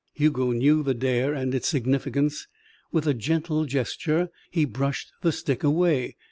Hugo knew the dare and its significance. With a gentle gesture he brushed the stick away.